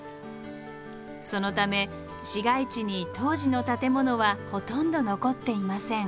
そのため市街地に当時の建物はほとんど残っていません。